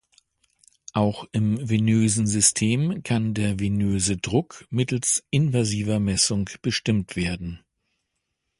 Auch im venösen System kann der venöse Druck mittels invasiver Messung bestimmt werden.